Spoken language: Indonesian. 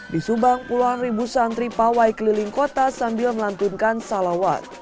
di subang puluhan ribu santri pawai keliling kota sambil melantunkan salawat